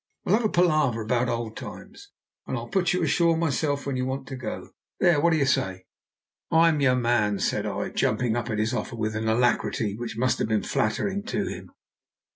We'll have a palaver about old times, and I'll put you ashore myself when you want to go. There, what do you say?" "I'm your man," said I, jumping at his offer with an alacrity which must have been flattering to him.